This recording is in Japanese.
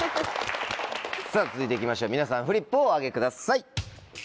さぁ続いて行きましょう皆さんフリップをお上げください。